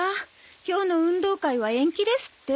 今日の運動会は延期ですって。